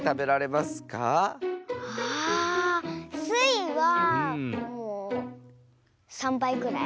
あっスイはもう３ばいぐらい。